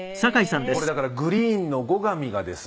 これだからグリーンの後上がですね